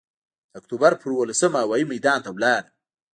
د اکتوبر پر اوولسمه هوايي میدان ته ولاړم.